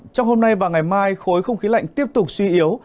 trong hôm nay và ngày mai khối không khí lạnh tiếp tục suy yếu